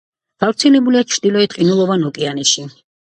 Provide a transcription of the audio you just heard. გავრცელებულია ჩრდილოეთ ყინულოვან ოკეანეში.